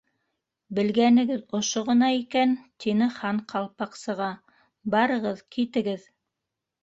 —Белгәнегеҙ ошо ғына икән, —тине Хан Ҡалпаҡсыға, —барығыҙ, китегеҙ!